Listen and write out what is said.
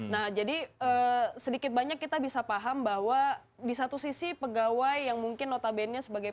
nah jadi sedikit banyak kita bisa paham bahwa di satu sisi pegawai yang mungkin notabene sebagai